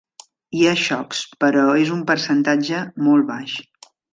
Hi ha xocs, però és un percentatge molt baix.